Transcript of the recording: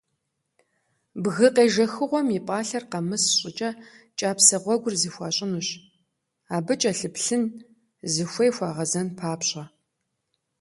Бгы къежэхыгъуэм и пӀалъэр къэмыс щӀыкӀэ кӀапсэ гъуэгур зэхуащӏынущ, абы кӀэлъыплъын, зыхуей хуагъэзэн папщӀэ.